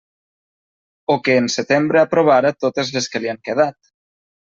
O que en setembre aprovara totes les que li han quedat.